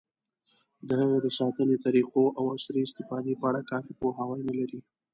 د هغې د ساتنې طریقو، او عصري استفادې په اړه کافي پوهاوی نه لري.